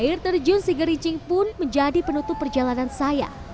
air terjun si gerinci pun menjadi penutup perjalanan saya